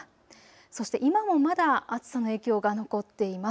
そして今もまだ暑さの影響が残っています。